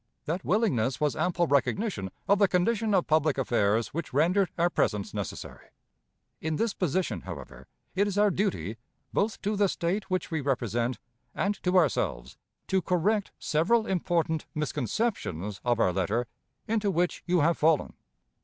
That willingness was ample recognition of the condition of public affairs which rendered our presence necessary. In this position, however, it is our duty, both to the State which we represent and to ourselves, to correct several important misconceptions of our letter into which you have fallen.